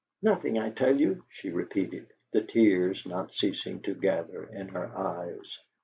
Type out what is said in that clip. "Nothing, I tell you!" she repeated, the tears not ceasing to gather in her eyes.